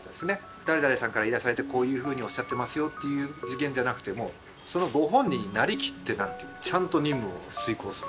誰々さんから依頼されてこういうふうにおっしゃってますよっていう次元じゃなくてそのご本人になりきってちゃんと任務を遂行する。